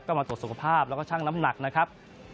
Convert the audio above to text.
ก็มาตรวจสุขภาพแล้วก็ชั่งน้ำหนักนะครับ